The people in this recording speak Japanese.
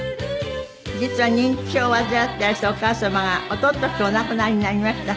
実は認知症を患っていらしたお母様が一昨年お亡くなりになりました。